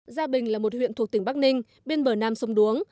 gia bình là một huyện thuộc tỉnh bắc ninh bên bờ nam sông đuống